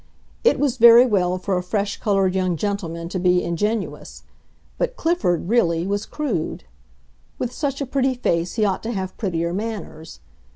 It was very well for a fresh colored young gentleman to be ingenuous; but Clifford, really, was crude. With such a pretty face he ought to have prettier manners.